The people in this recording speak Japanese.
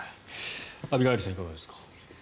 アビガイルさんいかがですか？